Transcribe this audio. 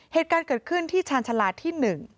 เหตุการณ์เกิดขึ้นที่ชาญชาลาที่๑